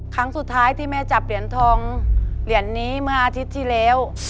ครั้งสุดท้ายที่แม่จับเหรียญทองเหรียญนี้เมื่ออาทิตย์ที่แล้ว